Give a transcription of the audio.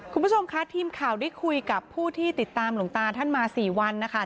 คุณผู้ชมค่ะทีมข่าวได้คุยกับผู้ที่ติดตามหลวงตาท่านมา๔วันนะคะ